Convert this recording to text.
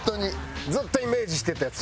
ずっとイメージしてたやつ？